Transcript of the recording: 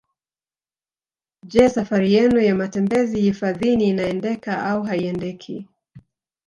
Je safari yenu ya matembezi hifadhini inaendeka au haiendeki